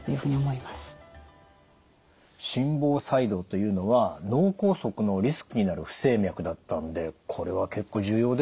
心房細動というのは脳梗塞のリスクになる不整脈だったのでこれは結構重要ですね。